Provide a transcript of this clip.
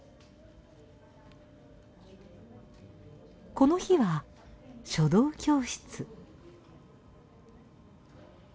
この日は書道教室。